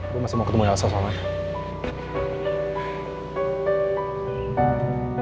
gua masih mau ketemu elsa selama ini